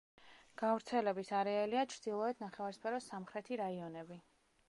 გავრცელების არეალია ჩრდილოეთი ნახევარსფეროს სამხრეთი რაიონები.